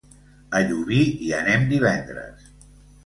A Llubí hi anem divendres.